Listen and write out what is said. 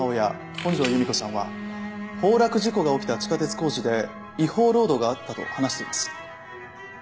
本庄由美子さんは崩落事故が起きた地下鉄工事で違法労働があったと話しています。